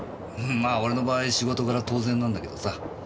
まあ俺の場合仕事柄当然なんだけどさ。